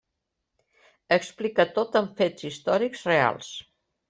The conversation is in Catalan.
Explica tot amb fets històrics reals.